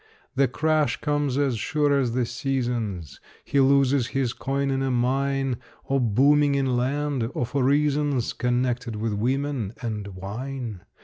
The crash comes as sure as the seasons; He loses his coin in a mine, Or booming in land, or for reasons Connected with women and wine.